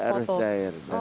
iya harus cair